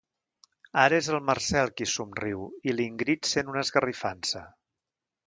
Ara és el Marcel qui somriu i l'Ingrid sent una esgarrifança.